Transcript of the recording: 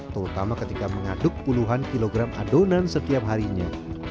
terutama ketika mengaduk puluhan kilogram adonan setiap harinya